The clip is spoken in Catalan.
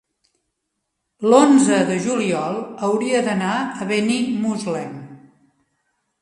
L'onze de juliol hauria d'anar a Benimuslem.